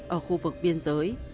ở khu vực biên giới